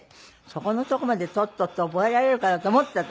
そこのとこまでトットって覚えられるかなと思ってた。